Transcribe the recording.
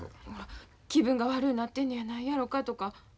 気分が悪うなってんのやないやろかとか。